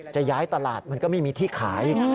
จะย้ายตลาดมันก็ไม่มีที่ขาย